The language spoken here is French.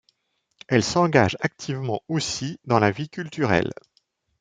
Elle s'engage activement aussi dans la vie culturelle.